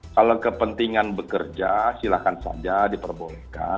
kalau kepentingan bekerja silakan saja diperbolehkan